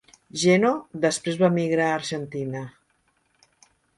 Jeno després va emigrar a l'Argentina.